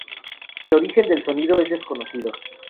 El origen del sonido es desconocido.